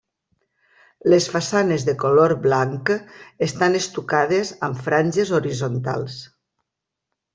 Les façanes de color blanc estan estucades amb franges horitzontals.